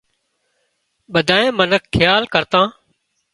ٻڌانئي منک کيال ڪرتان